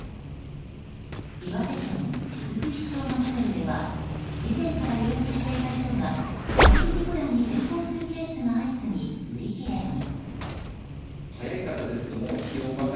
岩手県雫石町のホテルでは以前から予約していた人が割引プランに変更するケースが相次ぎ売り切れに。